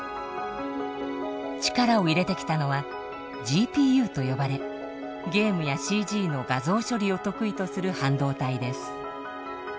力を入れてきたのはＧＰＵと呼ばれゲームやＣＧの画像処理を得意とする半導体です。